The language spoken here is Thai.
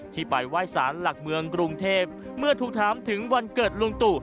ไปไหว้สารหลักเมืองกรุงเทพเมื่อถูกถามถึงวันเกิดลุงตู่